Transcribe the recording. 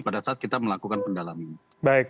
pada saat kita melakukan pendalaman